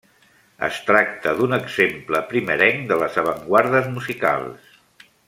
Es tracta d'un exemple primerenc de les avantguardes musicals.